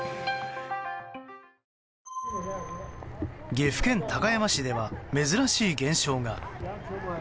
岐阜県高山市では珍しい現象が。